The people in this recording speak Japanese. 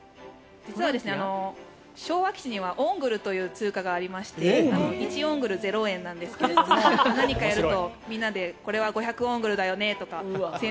実は昭和基地にはオングルという通貨がありまして１オングル＝０円なんですが何かやるとこれは５００オングルだよねとか１０００